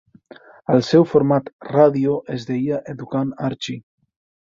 Al seu format ràdio es deia "Educant Archie".